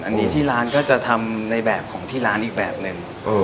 อันนี้ที่ร้านก็จะทำในแบบของที่ร้านอีกแบบหนึ่ง